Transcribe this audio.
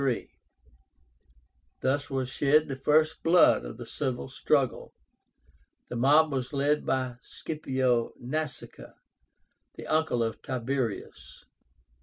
Thus was shed the first blood of the civil struggle. The mob was led by SCIPIO NASÍCA, the uncle of Tiberius.